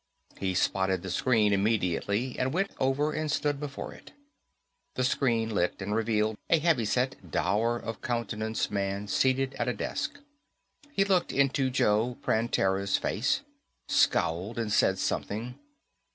He spotted the screen immediately and went over and stood before it. The screen lit and revealed a heavy set, dour of countenance man seated at a desk. He looked into Joe Prantera's face, scowled and said something.